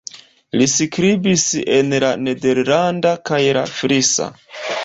Li skribis en la nederlanda kaj la frisa.